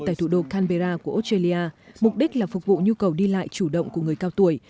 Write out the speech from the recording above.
tại thủ đô canberra của australia mục đích là phục vụ nhu cầu đi lại chủ động của người cao tuổi